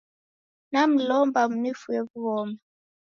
Namlomba munifue w'ughoma